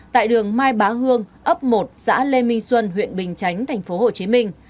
tại đường mai bá hương ấp một xã lê minh xuân huyện bình chánh tp hcm